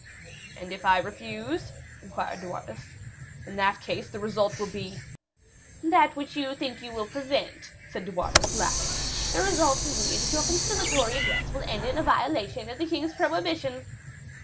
"And if I refuse?" inquired De Wardes. "In that case the result will be " "That which you think you will prevent," said De Wardes, laughing; "the result will be that your conciliatory address will end in a violation of the king's prohibition."